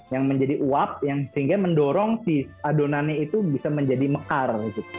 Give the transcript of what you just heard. yang menjadi uap yang sehingga mendorong si adonannya itu bisa menjadi mekar